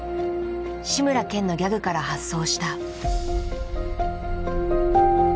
志村けんのギャグから発想した。